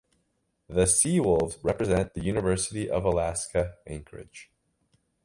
The Seawolves represent the University of Alaska Anchorage.